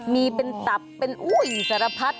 มีเป็นตับเป็นอุ้ยสารพัด